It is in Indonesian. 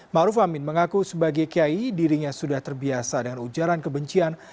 maruf amin mengaku sebagai kiai dirinya sudah terbiasa dengan ujaran kebencian